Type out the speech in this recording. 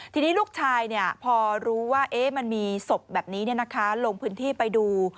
ทีนี้ลูกชายพอรู้ว่ามันมีศพแบบนี้ลงพื้นที่ไปดู